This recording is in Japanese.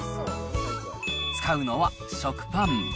使うのは食パン。